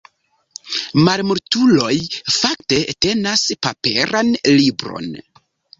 Malmultuloj fakte tenas paperan libron.